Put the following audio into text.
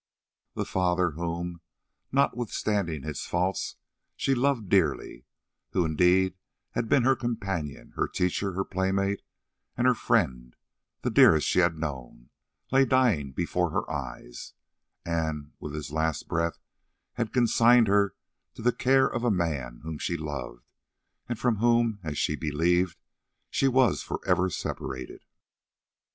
The father whom, notwithstanding his faults, she loved dearly, who indeed had been her companion, her teacher, her playmate and her friend, the dearest she had known, lay dying before her eyes, and with his last breath he consigned her to the care of the man whom she loved, and from whom, as she believed, she was for ever separated.